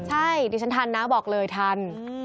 ใช่ดิฉันทันนะบอกเลยทัน